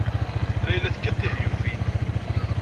Layla tella tekkat tihyufin.